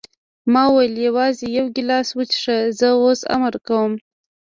ما وویل: یوازې یو ګیلاس وڅښه، زه اوس امر کوم.